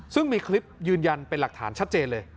ซึ่งมีคลิปยืนยันเป็นหลักฐานชัดเจนเลย